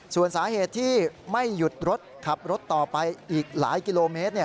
ส่วนสาเหตุที่ไม่หยุดรถขับรถต่อไปอีกหลายกิโลเมตร